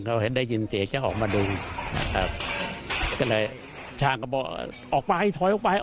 เขาเห็นได้ยินเสียงแกออกมาดูครับก็เลยช่างก็บอกออกไปถอยออกไป